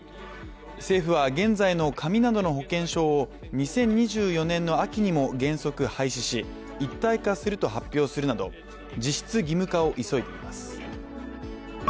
政府は現在の紙などの保険証を２０２４年の秋などにも原則廃止し、一体化すると発表するなど実質義務化を急いでいます。